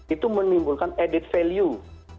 itu menimbulkan added value